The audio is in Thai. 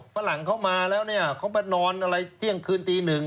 ฝรั่งเขามาแล้วเขาไปนอนเที่ยงคืนตีหนึ่ง